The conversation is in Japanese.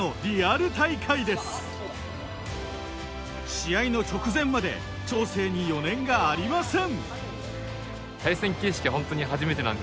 試合の直前まで調整に余念がありません。